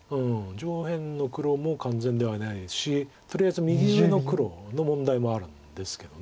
上辺の黒も完全ではないですしとりあえず右上の黒の問題もあるんですけど。